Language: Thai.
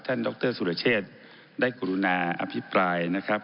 ท่านดรสุรเชษฐ์ได้กุฎูนาอภิปรายนะครับ